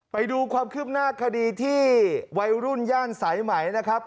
ไปดูความคืบหน้าคดีที่วัยรุ่นย่านสายไหมนะครับ